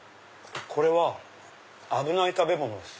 これは危ない食べ物です。